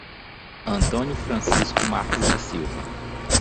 Antônio Francisco Marques da Silva